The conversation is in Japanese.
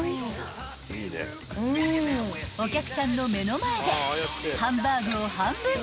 ［お客さんの目の前で］